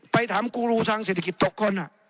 ไปถามกูรูทางเศรษฐกิจตกคน